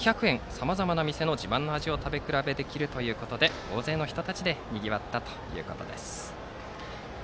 さまざまな店の自慢の味を食べ比べできるということで大勢の人たちでにぎわったということです。